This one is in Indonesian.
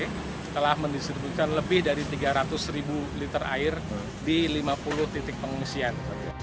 kami telah mendistribusikan lebih dari tiga ratus ribu liter air di lima puluh titik pengungsian